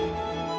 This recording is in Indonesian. kau ngerti kan